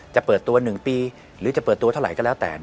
จะเปิดตัว๑ปีหรือจะเปิดตัวเท่าไหร่ก็แล้วแต่